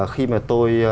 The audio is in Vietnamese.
khi mà tôi